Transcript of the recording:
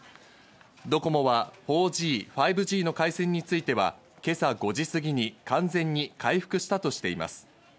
ドコモは４Ｇ、５Ｇの回線については、今朝５時すぎに完全に回復したとしています。